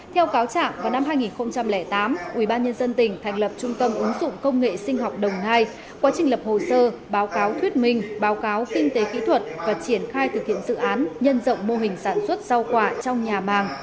theo cáo trạng vào năm hai nghìn tám ubnd tỉnh thành lập trung tâm ứng dụng công nghệ sinh học đồng nai quá trình lập hồ sơ báo cáo thuyết minh báo cáo kinh tế kỹ thuật và triển khai thực hiện dự án nhân rộng mô hình sản xuất rau quả trong nhà màng